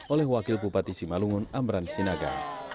oleh wakil bupati simalungun amran sinaga